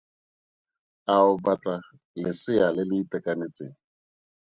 A o batla lesea le le itekanetseng?